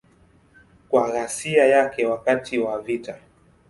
Kwa ghasia yake wakati wa vita.